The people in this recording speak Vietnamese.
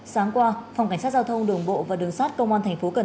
sáng qua phòng cảnh sát giao thông đường bộ và đường sát công an tp cn